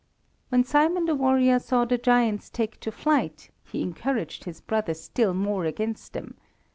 When Simon the warrior saw the giants take to flight, he encouraged his brother still more against them.